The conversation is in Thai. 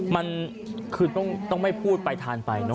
มันคือต้องไม่พูดไปทานไปเนอ